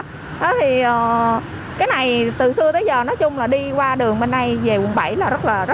thì cái này từ xưa tới giờ nói chung là đi qua đường bên đây về quận bảy là rất là sợ